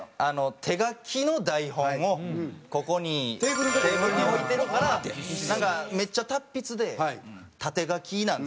手書きの台本をここにテーブルに置いてるからなんかめっちゃ達筆で縦書きなんですけど。